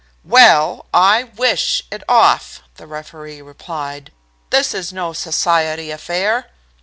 "'Well! I "wish" it off,' the referee replied. 'This is no society affair.'